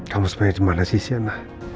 kamu sebenernya dimana sih sena